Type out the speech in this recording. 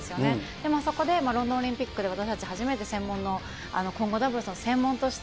でもそこでロンドンオリンピックで私たち、初めて専門の混合ダブルスの専門として。